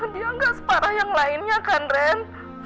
dia nggak separah yang lainnya kan ren